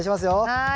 はい。